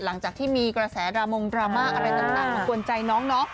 หลังจากที่มีกระแสดรามงดราม่าอะไรต่างมากวนใจน้องเนาะ